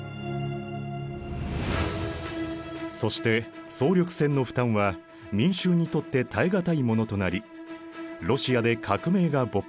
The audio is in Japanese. そして総力戦の負担は民衆にとって耐え難いものとなりロシアで革命が勃発。